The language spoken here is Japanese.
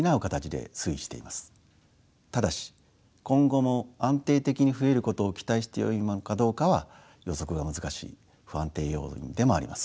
ただし今後も安定的に増えることを期待してよいものかどうかは予測が難しい不安定要因でもあります。